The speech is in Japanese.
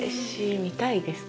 見たいですか？